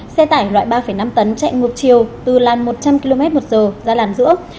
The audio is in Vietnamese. xe tải loại ba năm tấn chạy ngược chiều từ làn một trăm linh km một giờ ra làn giữa